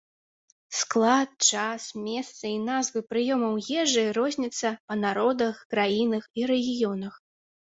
Склад, час, месца і назвы прыёмаў ежы розняцца па народах, краінах і рэгіёнах.